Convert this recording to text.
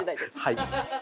はい。